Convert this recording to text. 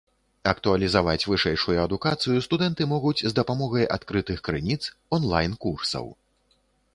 Актуалізаваць вышэйшую адукацыю студэнты могуць з дапамогай адкрытых крыніц, онлайн-курсаў.